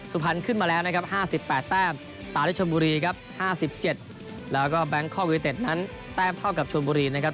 สุธภัณฑ์ขึ้นมาแล้ว๕๘แต้มตราชมูรี๕๗และกับแบงคกทา้มเท่าด้วยกับชมูรีนะครับ